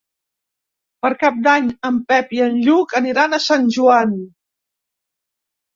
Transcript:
Per Cap d'Any en Pep i en Lluc aniran a Sant Joan.